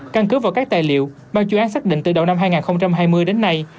căn cứ vào các tài liệu ban chuyên án xác định từ đầu năm hai nghìn hai mươi đến nay